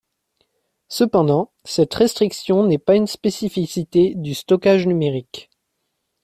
Cependant, cette restriction n'est pas une spécificité du stockage numérique.